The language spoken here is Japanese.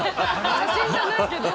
写真じゃないけど。